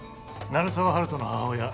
鳴沢温人の母親